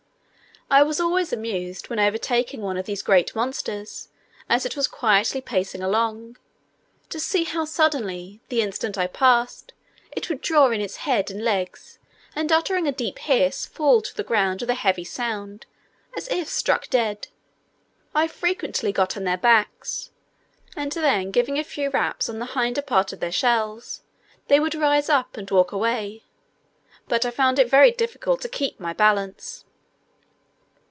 I was always amused when overtaking one of these great monsters, as it was quietly pacing along, to see how suddenly, the instant I passed, it would draw in its head and legs, and uttering a deep hiss fall to the ground with a heavy sound, as if struck dead. I frequently got on their backs, and then giving a few raps on the hinder part of their shells, they would rise up and walk away; but I found it very difficult to keep my balance.